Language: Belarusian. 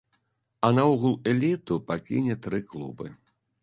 А наогул эліту пакіне тры клубы.